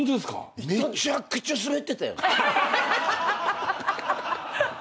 めちゃくちゃスベってた。